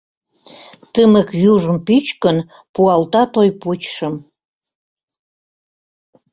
Тымык южым пӱчкын, Пуалта той пучшым.